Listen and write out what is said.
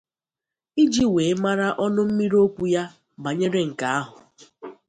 iji wee mara ọnụ mmiri okwu ya banyere nke ahụ